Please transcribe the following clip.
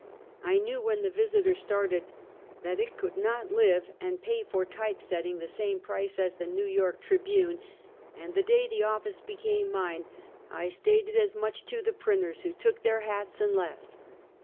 I knew when the Visiter started that it could not live and pay for type setting the same price as paid by U 210 Half a Centuet. the ISTew York Tribune, and the day the office became mine, I stated that fact to the printers, who took their hats and left.